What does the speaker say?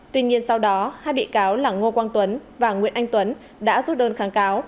tuy nhiên sau đó hai bị cáo là ngô quang tuấn và nguyễn anh tuấn